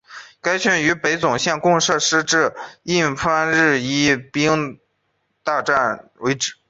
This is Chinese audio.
该线与北总线共用设施直至印幡日本医大站为止。